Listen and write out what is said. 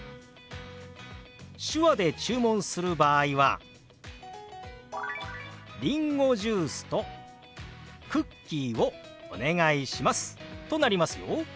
手話で注文する場合は「りんごジュースとクッキーをお願いします」となりますよ。